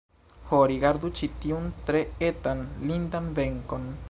Ho, rigardu ĉi tiun tre etan lindan benkon!